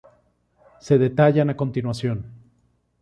Se detallan a continuación.